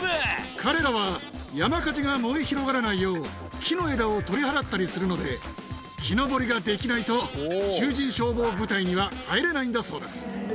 彼らは山火事が燃え広がらないよう、木の枝を取り払ったりするので、木登りができないと、囚人消防部隊には入れないんだそうです。